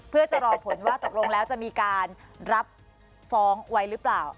เพื่อจะรอผลว่าตกลงแล้วจะมีการรับฟ้องไว้หรือเปล่า